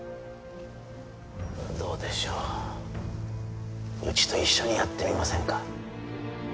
どうでしょううちと一緒にやってみませんか？